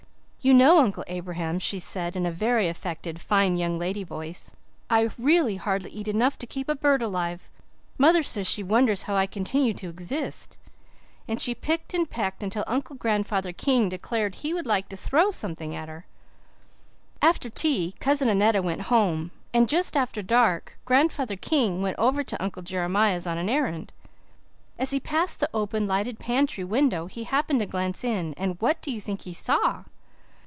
'You know, Uncle Abraham,' she said, in a very affected, fine young lady voice, 'I really hardly eat enough to keep a bird alive. Mother says she wonders how I continue to exist.' And she picked and pecked until Grandfather King declared he would like to throw something at her. After tea Cousin Annetta went home, and just about dark Grandfather King went over to Uncle Jeremiah's on an errand. As he passed the open, lighted pantry window he happened to glance in, and what do you think he saw?